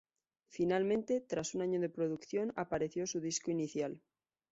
Finalmente, tras un año de producción apareció su disco inicial.